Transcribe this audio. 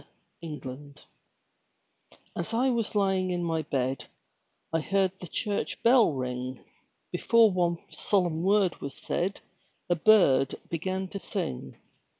THE CHURCH BELL As I was lying in my bed I heard the church bell ring; Before one solemn word was said A bird began to sing.